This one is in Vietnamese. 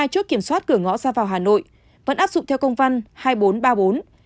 hai mươi hai chút kiểm soát cửa ngõ ra vào hà nội vẫn áp dụng theo công văn hai nghìn bốn trăm ba mươi bốn